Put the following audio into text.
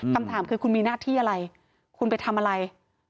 คำถามคือคุณมีหน้าที่อะไรคุณไปทำอะไร